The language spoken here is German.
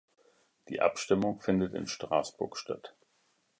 Die Abstimmung findet in Straßburg statt.